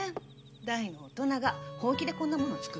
大の大人が本気でこんなものを作るなんて。